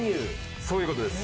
そういう事です。